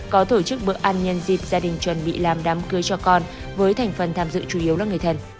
có tổ chức bữa ăn nhân dịp gia đình chuẩn bị làm đám cưới cho con với thành phần tham dự chủ yếu là người thân